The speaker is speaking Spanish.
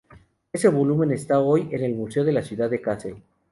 Ese volumen está hoy en el Museo de la Ciudad de Kassel.